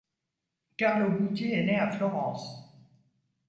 Carlo Buti est né à Florence.